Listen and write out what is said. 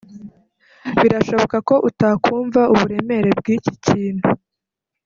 Birashoboka ko utakumva uburemere bw'iki kintu